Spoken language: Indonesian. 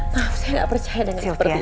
maaf saya nggak percaya dengan seperti itu